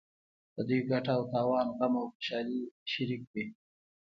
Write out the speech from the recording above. د دوی ګټه او تاوان غم او خوشحالي شریک وي.